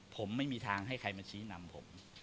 ผมไม่มีทางให้ใครมาชี้นำผม